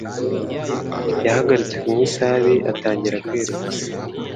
Yahagaritse kunywa itabi atangira kwiruka